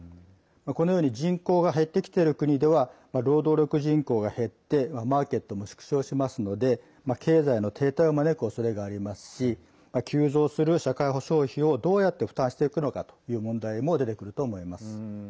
このように人口が減ってきている国では労働力人口が減ってマーケットも縮小しますので経済の停滞を招くおそれがありますし急増する社会保障費をどうやって負担していくのかという問題も出てくると思います。